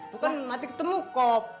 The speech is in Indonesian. tuh kan mati ketemu kok